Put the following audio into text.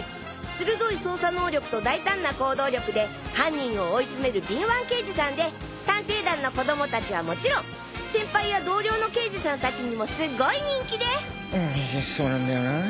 鋭い捜査能力と大胆な行動力で犯人を追い詰める敏腕刑事さんで探偵団の子供たちはもちろん先輩や同僚の刑事さんたちにもすっごい人気でそうなんだよなぁ